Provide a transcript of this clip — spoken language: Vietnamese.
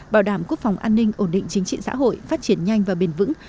bảo đảm quốc phòng an ninh ổn định chính trị xã hội phát triển nhanh và bền vững